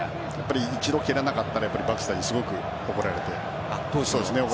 一度蹴らなかったらすごく怒られて。